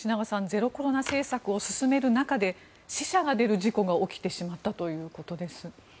ゼロコロナ政策を進める中で死者が出る事故が起きてしまったということです。